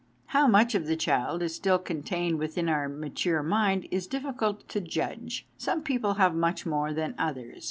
How much of the child is still contained within our mature mind is diffi cult to judge some people have much more than others.